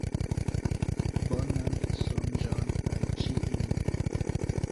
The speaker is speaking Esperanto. Bonan sonĝon al ĉiuj!